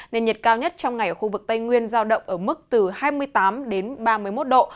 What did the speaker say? nền nhiệt cao nhất trong ngày ở khu vực tây nguyên giao động ở mức từ hai mươi tám đến ba mươi một độ